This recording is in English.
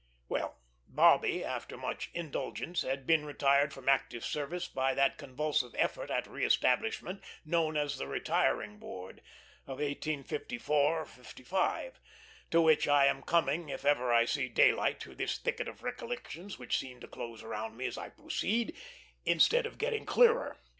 Well, Bobby after much indulgence had been retired from active service by that convulsive effort at re establishment known as the Retiring Board of 1854 55, to which I am coming if ever I see daylight through this thicket of recollections that seems to close round me as I proceed, instead of getting clearer.